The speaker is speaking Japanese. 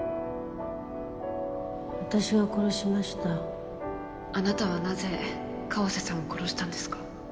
私が殺しましたあなたはなぜ川瀬さんを殺したんです